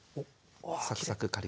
サクサクカリカリ。